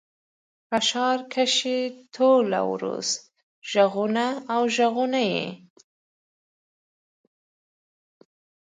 په ښار کښي ټوله ورځ ږغونه او ږغونه يي.